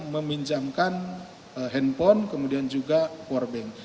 meminjamkan handphone kemudian juga powerbank